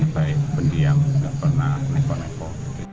baik pendiam nggak pernah neko neko